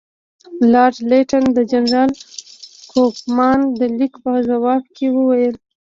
لارډ لیټن د جنرال کوفمان د لیک په ځواب کې وویل.